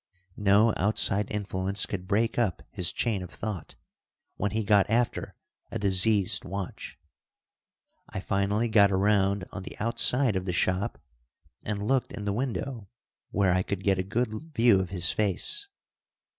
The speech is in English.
No outside influence could break up his chain of thought when he got after a diseased watch. I finally got around on the outside of the shop and looked in the window, where I could get a good view of his face.